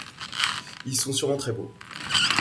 Ils sont sûrement très beaux.